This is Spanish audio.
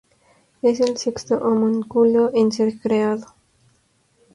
Es el sexto homúnculo en ser creado.